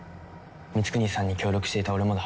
ミツクニさんに協力していた俺もだ。